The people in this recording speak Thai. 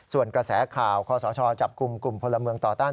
ส่วนกระแสข่าวคศจับกลุ่มกลุ่มพลเมืองต่อต้าน